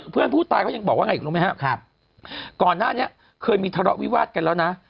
เพื่อนผู้ตายเขายังบอกว่าไงอีกรู้ไหมครับก่อนหน้านี้เคยมีทะเลาะวิวาดกันแล้วนะ